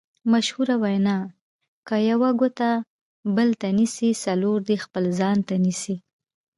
مشهوره وینا: که یوه ګوته بل ته نیسې څلور دې خپل ځان ته نیسې.